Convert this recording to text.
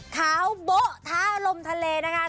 ขาวโบ๊ะท้าลมทะเลนะคะ